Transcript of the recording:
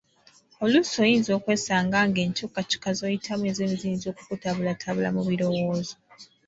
Oluusi oyinza okwesanga ng'enkyukakyuka zoyitamu ezimu ziyinza okukutabulatabula mu birowoozo.